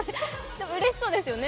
うれしそうですよね。